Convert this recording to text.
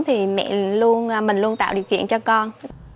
thì mẹ mình luôn tạo điều kiện cho con